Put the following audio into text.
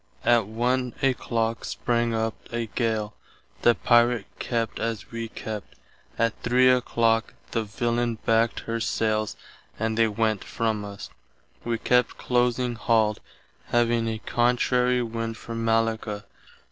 Att 1 a clock sprang up a gale. The Pirate kept as wee kept. Att 3 a clock the villain backt her sailes and they went from us. Wee kept close halled, having a contrary wind for Mallacca.